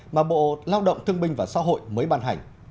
mà bộ lao động thương binh và xã hội mới ban hành